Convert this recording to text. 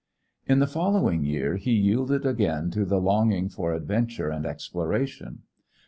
In the following year he yielded again to the longing for adventure and exploration.